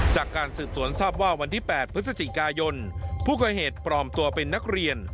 จากการสืบสวนทราบว่าวันที่๘พฤศจิกายนผู้ก่อเหตุปลอมตัวเป็นนักเรียน